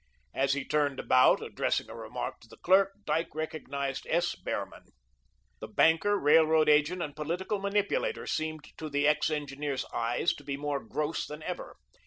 As he turned about, addressing a remark to the clerk, Dyke recognised S. Behrman. The banker, railroad agent, and political manipulator seemed to the ex engineer's eyes to be more gross than ever.